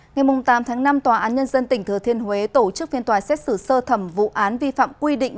ngày tám tháng năm tòa án nhân dân tỉnh thừa thiên huế tổ chức phiên tòa xét xử sơ thẩm vụ án vi phạm quy định